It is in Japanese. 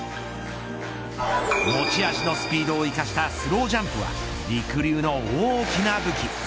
持ち味のスピードを生かしたスロージャンプはりくりゅうの大きな武器。